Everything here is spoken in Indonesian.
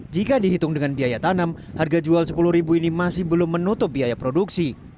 jika dihitung dengan biaya tanam harga jual rp sepuluh ini masih belum menutup biaya produksi